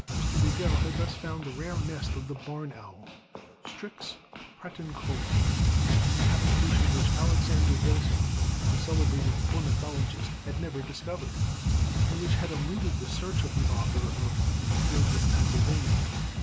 Mr. Bigell had thus found the rare nest of the barn owl, Strix pratincola, a habitation which Alexander Wilson, the celebrated ornithologist, had never discovered, and which had eluded the search of the author of "Birds of Pennsylvania."